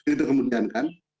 itu kemudian kan